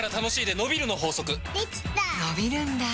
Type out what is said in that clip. のびるんだ